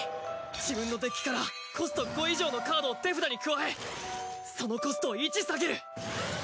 自分のデッキからコスト５以上のカードを手札に加えそのコストを１下げる。